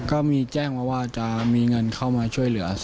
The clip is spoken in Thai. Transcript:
ก็มีแจ้งมาว่าจะมีเงินเข้ามาช่วยเหลือ